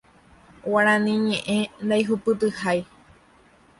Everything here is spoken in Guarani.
Guarani ñe'ẽme ndaihupytyhái